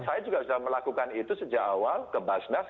saya juga sudah melakukan itu sejak awal ke basnas